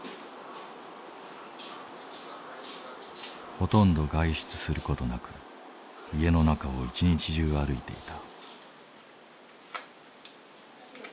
ほとんど外出する事なく家の中を一日中歩いていた。